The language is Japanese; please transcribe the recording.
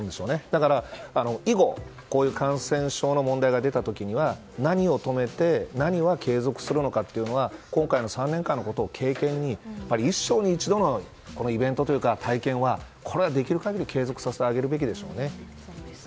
だから以後、こういう感染症の問題が出た時には何を止めて何は継続するのかというのは今回の３年間のことを経験に一生に一度のイベントというか体験はこれはできる限り継続させてあげるべきでしょうね。